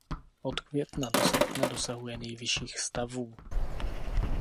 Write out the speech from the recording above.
Od května do srpna dosahuje nejvyšších stavů.